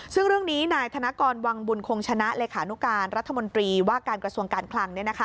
ซึ่งเรื่องนี้นายธนกรวังบุญคงชนะเลขานุการรัฐมนตรีว่าการกระทรวงการคลัง